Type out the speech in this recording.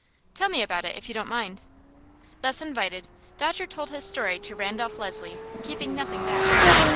"Tell me about it, if you don't mind." Thus invited, Dodger told his story to Randolph Leslie, keeping nothing back.